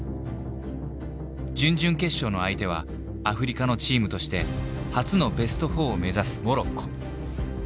準々決勝の相手はアフリカのチームとして初のベスト４を目指すモロッコ。